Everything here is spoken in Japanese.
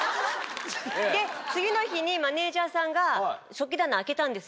で次の日にマネージャーさんが食器棚開けたんですよ。